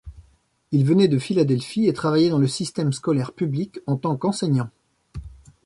Il venait de Philadelphie et travaillait dans le système scolaire public en tant qu'enseignant.